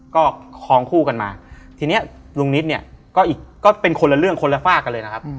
พอคองคู่กันมาทีเนี่ยลุงนิตเนี่ยก็เป็นคนละเรื่องคนละฝากเลยนะครับ